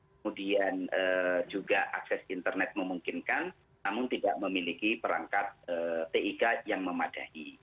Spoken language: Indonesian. kemudian juga akses internet memungkinkan namun tidak memiliki perangkat tik yang memadai